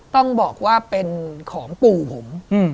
ต้องบอกว่าเป็นของปู่ผม